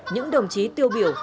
những đồng chí tiêu biểu